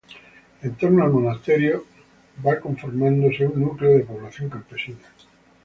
En torno al Monasterio fue conformándose un núcleo de población campesina.